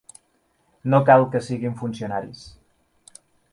No cal que siguin funcionaris.